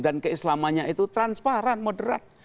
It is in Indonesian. dan ke islamanya itu transparan moderat